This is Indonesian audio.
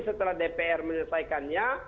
setelah dpr menyelesaikannya